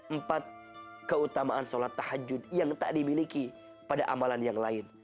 empat keutamaan sholat tahajud yang tak dimiliki pada amalan yang lain